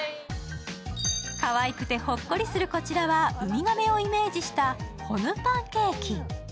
かわいくてほっこりするこちらは、ウミガメをイメージしたホヌパンケーキ。